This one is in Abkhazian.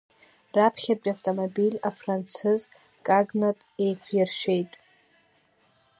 Раԥхьатәи автомобиль афранцыз Кагнот еиқәиршәеит.